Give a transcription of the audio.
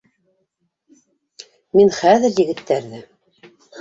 Мин хәҙер егеттәрҙе